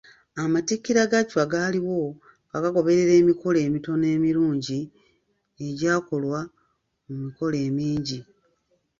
Amatikkirwa ga Chwa gaaliwo ng'agoberera emikolo mitono emirungi egyanokolwa mu mikolo emingi.